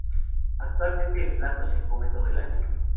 Actualmente el plato se come todo el año.